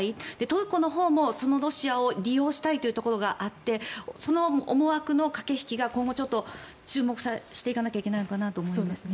トルコのほうもそのロシアを利用したいというところがあってその思惑の駆け引きが今後注目していかないといけないのかなと思います。